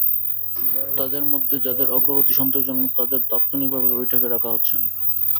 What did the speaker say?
তাঁদের মধ্যে যাঁদের অগ্রগতি সন্তোষজনক, তাঁদের তাৎক্ষণিকভাবে বৈঠকে ডাকা হচ্ছে না।